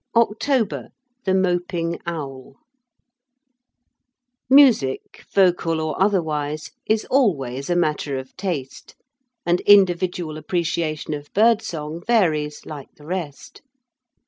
OCTOBER THE MOPING OWL THE MOPING OWL Music, vocal or otherwise, is always a matter of taste, and individual appreciation of birdsong varies like the rest.